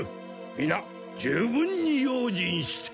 みな十分に用心して。